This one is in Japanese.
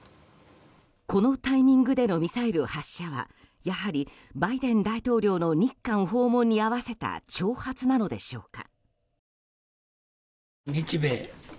このタイミングでのミサイル発射はやはりバイデン大統領の日韓訪問に合わせた挑発なのでしょうか。